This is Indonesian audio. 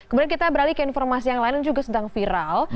kemudian kita beralih ke informasi yang lain yang juga sedang viral